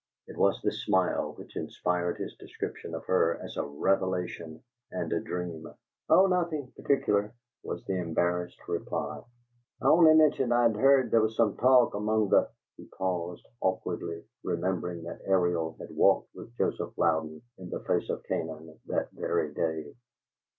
(It was this smile which inspired his description of her as "a revelation and a dream.") "Oh, nothing particular," was his embarrassed reply. "I only mentioned I'd heard there was some talk among the " He paused awkwardly, remembering that Ariel had walked with Joseph Louden in the face of Canaan that very day.